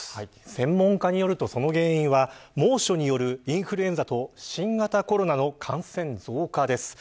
専門家によると、その原因は猛暑によるインフルエンザと新型コロナの感染増加です。